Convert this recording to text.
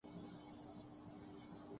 کیونکہ عدلیہ نے ہی قائد جمہوریت کو فارغ کیا۔